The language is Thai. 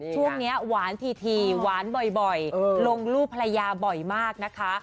ช่วงนี้หวานทีหวานบ่อยลงรูปภรรยาบ่อยมากนะคะ